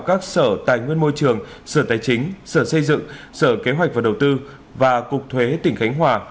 các sở tài nguyên môi trường sở tài chính sở xây dựng sở kế hoạch và đầu tư và cục thuế tỉnh khánh hòa